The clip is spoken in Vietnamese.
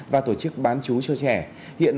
và tổ chức bán chú cho trẻ hiện